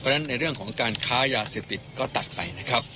แต่เรื่องของการค้ายาเสร็จติดก็ตัดไปนะครับ